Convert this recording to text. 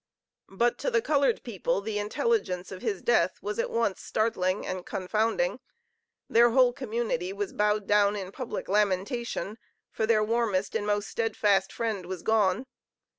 But to the colored people the intelligence of his death was at once startling and confounding. Their whole community was bowed down in public lamentation, for their warmest and most steadfast friend was gone.